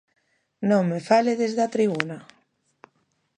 Non me fale desde a tribuna.